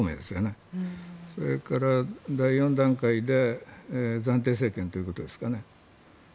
それから第４段階で暫定政権ということですかね。